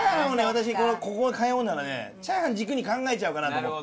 私ここ通うならチャーハン軸に考えちゃうかなと思って。